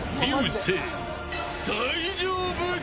青、大丈夫か。